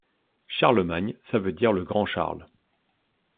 Charlemagne ça veut dire le grand Charles.